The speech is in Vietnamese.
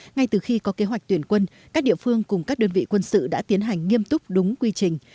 ngay từ khi có kế hoạch tuyển quân các địa phương cùng các đơn vị quân sự đã tiến hành nghiêm túc đúng quy trình